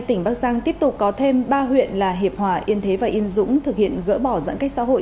tỉnh bắc giang tiếp tục có thêm ba huyện là hiệp hòa yên thế và yên dũng thực hiện gỡ bỏ giãn cách xã hội